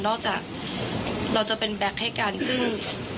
นอกจากเราจะเป็นแบ็คให้กันซึ่ง